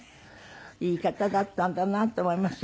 いい方だったんだなと思います